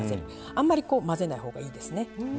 あんまり混ぜないほうがいいですね。